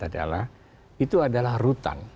adalah itu adalah rutan